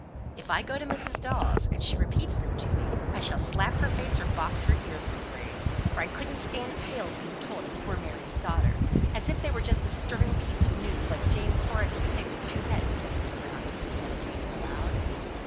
"If I go to Mrs. Dawes, and she repeats them to me, I shall slap her face or box her ears I'm afraid, for I couldn't stand tales being told of poor Mary's daughter, as if they were just a stirring piece of news like James Horrocks' pig with two heads," said Miss Browning, meditating aloud.